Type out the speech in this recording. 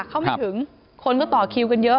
เข้าไม่ถึงคนก็ต่อคิวกันเยอะ